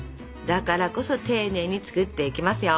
だからこそ丁寧に作っていきますよ。ＯＫ！